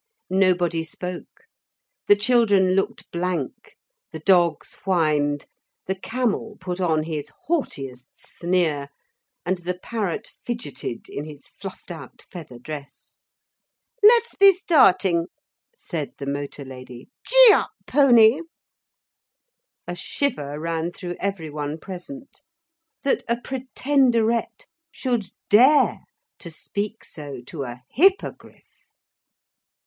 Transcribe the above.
Nobody spoke. The children looked blank, the dogs whined, the camel put on his haughtiest sneer, and the parrot fidgeted in his fluffed out feather dress. 'Let's be starting,' said the motor lady. 'Gee up, pony!' A shiver ran through every one present. That a Pretenderette should dare to speak so to a Hippogriff!